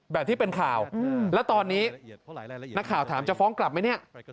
ที่เป็นข่าวแล้วตอนนี้นักข่าวถามจะฟ้องกลับไหมเนี่ย